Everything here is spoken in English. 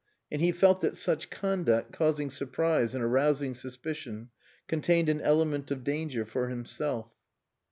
And he felt that such conduct, causing surprise and arousing suspicion, contained an element of danger for himself.